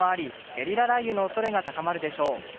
ゲリラ雷雨の恐れが高まるでしょう。